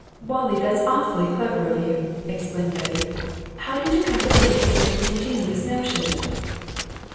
"Wallie, that's awfully clever of you!" exclaimed Betty. "How did you come to think of such an ingenious notion?"